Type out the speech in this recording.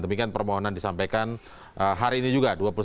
demikian permohonan disampaikan hari ini juga